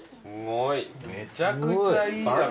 めちゃくちゃいいじゃん。